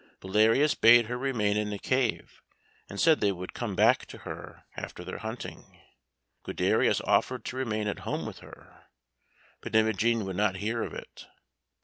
Belarius bade her remain in the cave, and said they would come back to her after their hunting. Guiderius offered to remain at home with her, but Imogen would not hear of it.